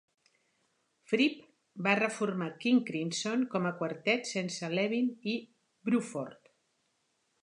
Fripp va reformar King Crimson com a quartet, sense Levin i Bruford.